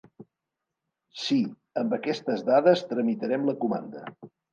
Sí, amb aquestes dades tramitarem la comanda.